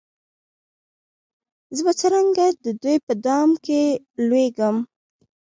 زه به څرنګه د دوی په دام کي لوېږم